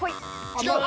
違う。